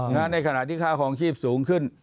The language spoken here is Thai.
ในขณะที่ค่าคลองชีพสูงขึ้น